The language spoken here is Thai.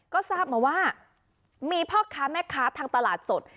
ก็ทราบมาว่ามีพ่อค้าแม่ค้าทางตลาดสด